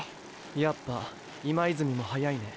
やっぱ今泉も速いね。